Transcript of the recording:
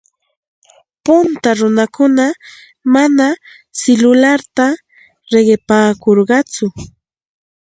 Punta runakuna manam silularta riqipaakurqatsu.